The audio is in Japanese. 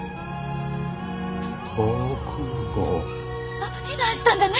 あっ避難したんじゃね？